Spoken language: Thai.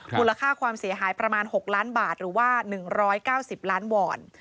มูลค่าความเสียหายประมาณ๖ล้านบาทหรือว่า๑๙๐ล้านวอน